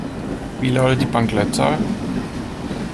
Wie lautet die Bankleitzahl?